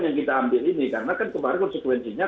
yang kita ambil ini karena kan kemarin konsekuensinya